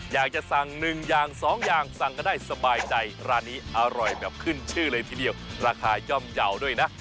อยากจะสั่ง๑อย่าง๒อย่างสั่งก็ได้สบายใจร้านนี้อร่อยแบบขึ้นชื่อเลยทีเดียวราคาย่อมเยาว์ด้วยนะ